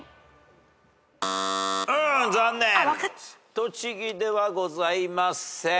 栃木ではございません。